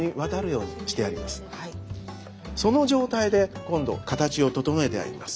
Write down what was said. その状態で今度形を整えてやります。